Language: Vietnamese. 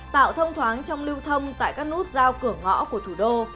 tạo thông thoáng trong lưu thông tại các nút giao cửa ngõ của thủ đô